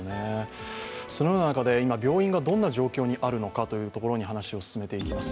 そのような中で今、病院がどんな状況にあるのかというところから話を進めていきます。